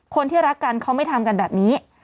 คนที่รักกันเขาไม่ทำกันแบบนี้